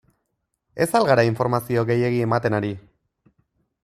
Ez al gara informazio gehiegi ematen ari?